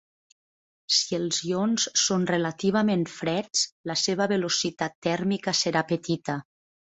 Si els ions són relativament freds, la seva velocitat tèrmica serà petita.